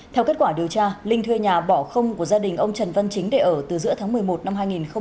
theo kết quả điều tra linh thuê nhà bỏ không của gia đình ông trần văn chính để ở từ giữa tháng một mươi một năm hai nghìn một mươi chín